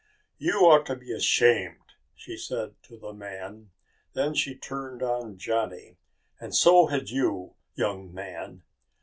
"You ought to be ashamed!" she said to the man. Then she turned on Johnny. "And so had you, young man.